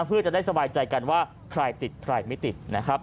เพื่อจะได้สบายใจกันว่าใครติดใครไม่ติดนะครับ